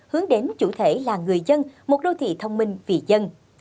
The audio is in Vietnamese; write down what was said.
hướng đến chủ thể là người dân một đô thị thông minh vì dân